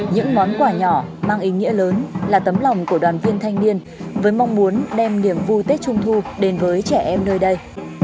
những món quà nhỏ mang ý nghĩa lớn là tấm lòng của đoàn viên thanh niên với mong muốn đem niềm vui tết trung thu đến với trẻ em nơi đây